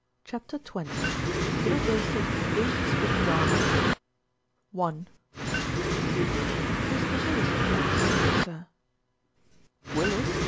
CHAPTER XX LITTLE BILSTEAD ACHES WITH DRAMA "It yTR. WILLIS would like to see you, sir." \\r \ "Willis!"